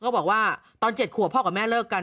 บอกว่าตอน๗ขวบพ่อกับแม่เลิกกัน